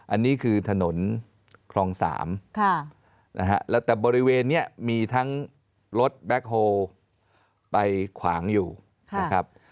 อันนี้คือถนนคลอง๓นะฮะแล้วแต่บริเวณนี้มีทั้งรถแบ็คโฮลไปขวางอยู่นะครับ